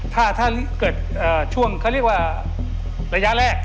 ถ้าเกิดช่วงเขาเรียกว่าระยะแรก